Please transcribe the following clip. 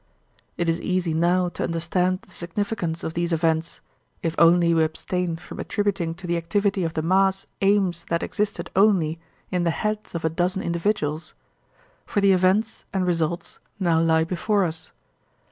It is easy now to understand the significance of these events—if only we abstain from attributing to the activity of the mass aims that existed only in the heads of a dozen individuals—for the events and results now lie before us.